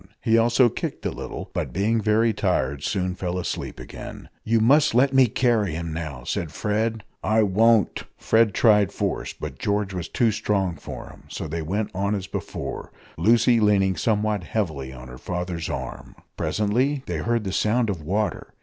He also kicked a little, but, being very tired, soon fell asleep again. "You must let me carry him now!" said Fred. "I won't!" Fred tried force, but George was too strong for him, so they went on as before, Lucy leaning somewhat heavily on her father's arm. Presently they heard the sound of water.